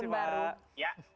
terima kasih mbak